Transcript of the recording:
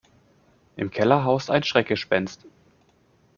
Im Keller haust ein Schreckgespenst.